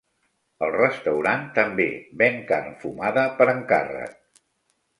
El restaurant també ven carn fumada per encàrrec.